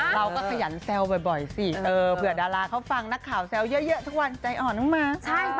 ขยันแซวบ่อยสิเผื่อดาราเขาฟังนักข่าวแซวเยอะทุกวันใจอ่อนบ้างไหม